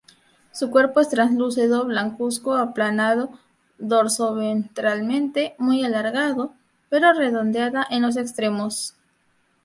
Su cuerpo es translúcido, blancuzco, aplanado dorsoventralmente, muy alargado, pero redondeada en los extremos.